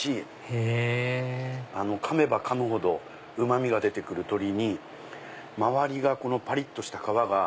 へぇかめばかむほどうまみが出てくる鶏に周りがパリっとした皮が。